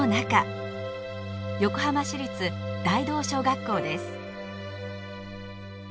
横浜市立大道小学校です。